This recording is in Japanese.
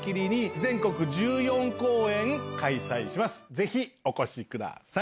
ぜひお越しください！